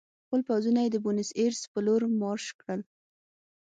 خپل پوځونه یې د بونیس ایرس په لور مارش کړل.